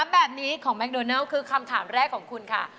แบบนี้ของแมคโดนัลคือคำถามแรกของคุณค่ะ